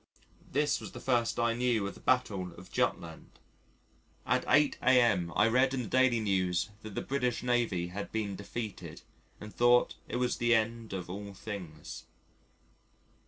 This was the first I knew of the Battle of Jutland. At 8 a.m. I read in the Daily News that the British Navy had been defeated, and thought it was the end of all things.